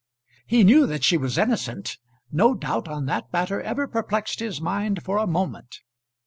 He knew that she was innocent. No doubt on that matter ever perplexed his mind for a moment.